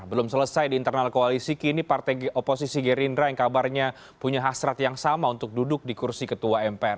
belum selesai di internal koalisi kini partai oposisi gerindra yang kabarnya punya hasrat yang sama untuk duduk di kursi ketua mpr